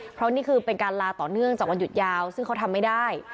เพราะนี่คือเป็นการลาต่อเนื่องจากวันหยุดยาวซึ่งเขาทำไม่ได้